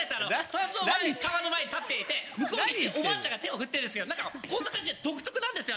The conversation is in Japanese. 三途の前川の前に立っていて向こう岸でおばあちゃんが手を振ってるんですけどこんな感じで独特なんですよ